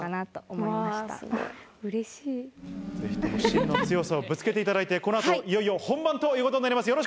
ぜひとも芯の強さをぶつけていただいてこの後いよいよ本番ということになります。